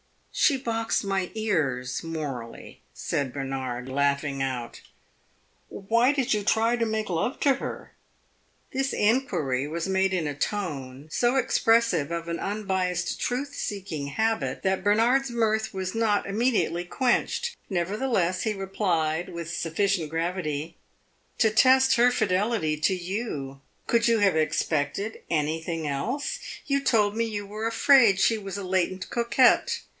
"She boxed my ears morally," said Bernard, laughing out. "Why did you try to make love to her?" This inquiry was made in a tone so expressive of an unbiassed truth seeking habit that Bernard's mirth was not immediately quenched. Nevertheless, he replied with sufficient gravity "To test her fidelity to you. Could you have expected anything else? You told me you were afraid she was a latent coquette.